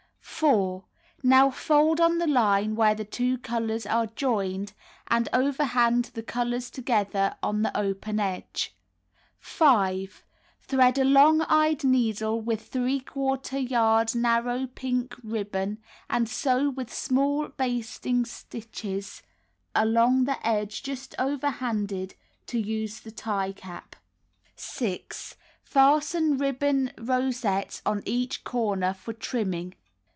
4. Now fold on the line where the two colors are joined, and overhand the colors together on the open edge. 5. Thread a long eyed needle with three quarter yard narrow pink ribbon and sew with small basting stitches along the edge just overhanded — to use to tie cap. 6. Fasten ribbon rosettes on each corner for trimming.